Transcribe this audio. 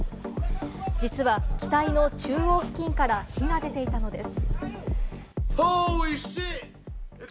実は機体の中央付近から火が出ていたのです。